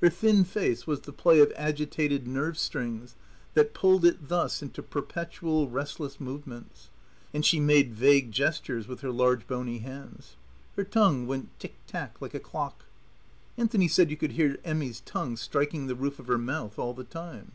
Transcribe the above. Her thin face was the play of agitated nerve strings that pulled it thus into perpetual, restless movements; and she made vague gestures with her large, bony hands. Her tongue went tick tack, like a clock. Anthony said you could hear Emmy's tongue striking the roof of her mouth all thee time.